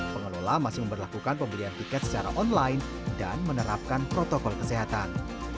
pengelola masih memperlakukan pembelian tiket secara online dan menerapkan protokol kesehatan